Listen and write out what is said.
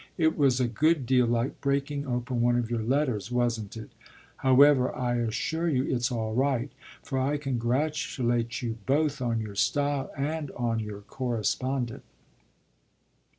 It was a good deal like breaking open one of your letters, wasn't it? However, I assure you it's all right, for I congratulate you both on your style and on your correspondent."